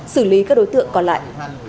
xử lý các đối tượng còn lại